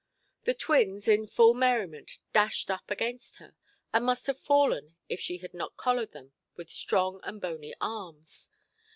The twins in full merriment dashed up against her, and must have fallen if she had not collared them with strong and bony arms.